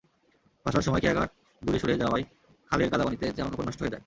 ভাটার সময় খেয়াঘাট দূরে সরে যাওয়ায় খালের কাদাপানিতে জামাকাপড় নষ্ট হয়ে যায়।